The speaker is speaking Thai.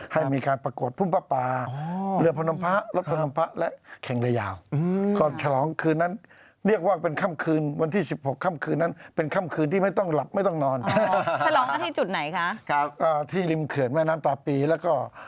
ให้มีการประกอบภูมิพระปาเพื่อเลือกพนามพระเลือกพนามพระและเหิดแข่งระย่า